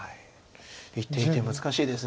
一手一手難しいです